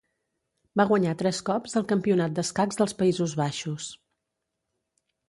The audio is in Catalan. Va guanyar tres cops el Campionat d'escacs dels Països Baixos.